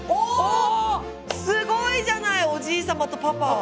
すごいじゃないおじい様とパパ！